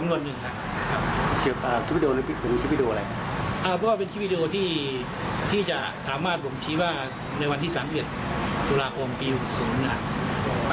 ว่าในวันที่๓๐สิงหาคมตุลาคมปีศูนย์